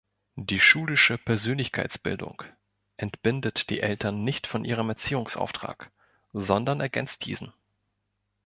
Die schulische Persönlichkeitsbildung entbindet die Eltern nicht von ihrem Erziehungsauftrag, sondern ergänzt diesen.